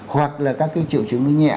hoặc là các cái triệu chứng nó nhẹ